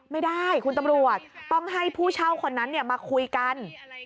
ไม่ได้คุณตำรวจต้องให้ผู้เช่าคนนั้นมาคุยกัน